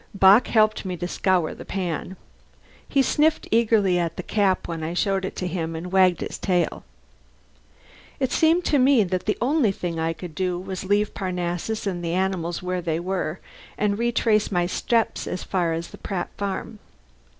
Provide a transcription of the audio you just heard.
Bock helped me to scour the pan. He sniffed eagerly at the cap when I showed it to him, and wagged his tail. It seemed to me that the only thing I could do was to leave Parnassus and the animals where they were and retrace my steps as far as the Pratt farm.